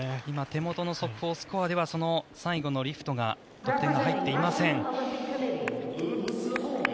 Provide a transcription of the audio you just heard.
今、手元の速報スコアでは最後のリフトが得点が入っていません。